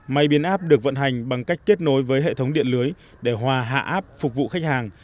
máy biến áp được vận hành bằng cách kết nối với hệ thống điện lưới để hòa hạ áp phục vụ khách hàng